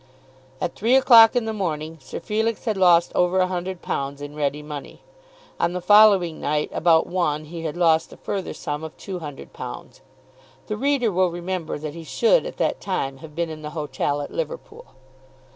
At three o'clock in the morning, Sir Felix had lost over a hundred pounds in ready money. On the following night about one he had lost a further sum of two hundred pounds. The reader will remember that he should at that time have been in the hotel at Liverpool.